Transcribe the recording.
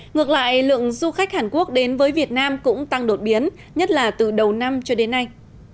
ngược lại lượng du khách hàn quốc đến với việt nam cũng tăng đột biến nhất là từ đầu năm cho đến nay